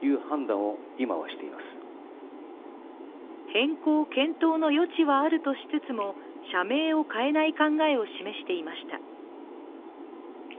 変更検討の余地はあるとしつつも社名を変えない考えを示していました。